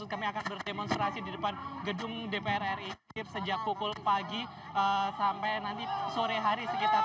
kami akan berdemonstrasi di depan gedung dpr ri sejak pukul pagi sampai nanti sore hari